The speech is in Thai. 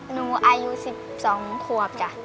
หนูอายุ๑๒ขวบจ้ะ